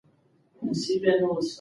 تاسو مه اجازه ورکوئ چې وخت مو ضایع شي.